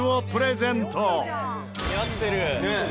「似合ってる！」